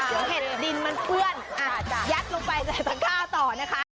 ล้อมเห็ดดินมันเปื้อนยัดลงไปใส่ทางข้าวต่อนะคะ